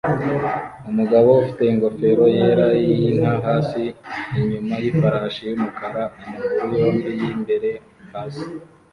Umugabo ufite ingofero yera yinka hasi inyuma yifarasi yumukara amaguru yombi yimbere hasi